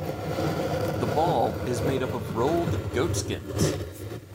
The ball is made up of rolled goatskins.